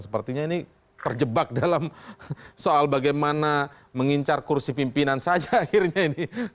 sepertinya ini terjebak dalam soal bagaimana mengincar kursi pimpinan saja akhirnya ini